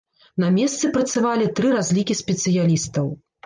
На месцы працавалі тры разлікі спецыялістаў.